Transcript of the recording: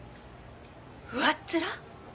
上っ面？